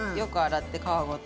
皮ごと。